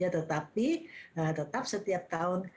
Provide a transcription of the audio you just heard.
tetapi tetap setiap tahun